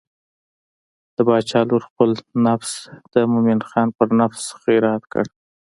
د باچا لور خپل نفس د مومن خان پر نفس خیرات کړ.